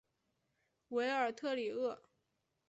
韦尔特里厄。